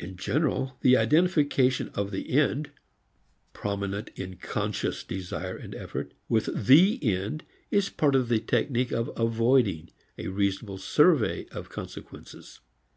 In general, the identification of the end prominent in conscious desire and effort with the end is part of the technique of avoiding a reasonable survey of consequences.